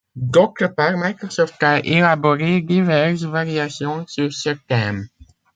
D'autre part, Microsoft a élaboré diverses variations sur ce thème.